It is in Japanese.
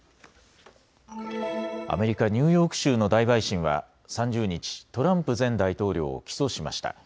アメリカ・ニューヨーク州の大陪審は３０日、トランプ前大統領を起訴しました。